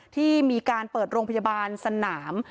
ที่มีการเปิดโรงพยาบาลสนาม